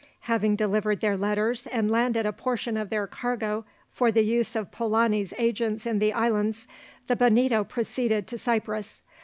Having delivered their letters and landed a portion of their cargo for the use of Polani's agents in the islands, the Bonito proceeded to Cyprus.